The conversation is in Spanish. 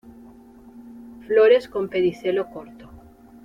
Flores con pedicelo corto.